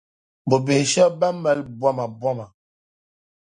bubihi shɛba bɛn mali bomaboma.